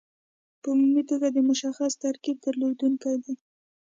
په عمومي توګه د مشخص ترکیب درلودونکي دي.